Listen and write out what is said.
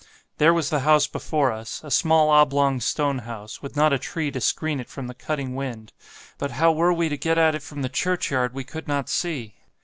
There was the house before us, a small oblong stone house, with not a tree to screen it from the cutting wind; but how were we to get at it from the churchyard we could not see!